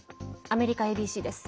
アメリカＡＢＣです。